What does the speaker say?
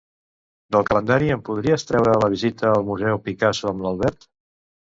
Del calendari em podries treure la visita al museu Picasso amb l'Albert?